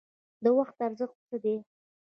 د وخت ارزښت څه دی؟